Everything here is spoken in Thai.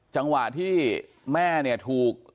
จังหวะที่แม่เนี่ยถูก